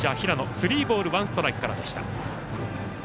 スリーボールワンストライクからでした。